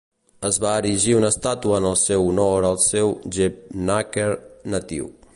Es va erigir una estàtua en el seu honor al seu Jevnaker natiu.